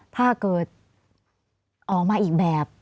ถ้าเกิดออกมาอีกแบบ